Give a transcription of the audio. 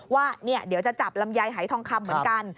ว่าเดี๋ยวจะจับลำไยหายทองคำเหมือนกัน